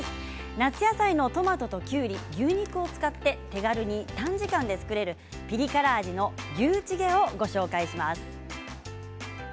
夏野菜のトマトときゅうり牛肉を使って手軽に短時間で作れるピリ辛味の牛チゲをご紹介します。